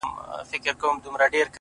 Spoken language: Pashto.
• پيل كي وړه كيسه وه غـم نه وو ـ